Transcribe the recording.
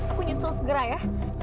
aku nyusul segera ya